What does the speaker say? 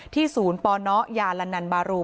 ที่ศูนย์ปนยละนันบารู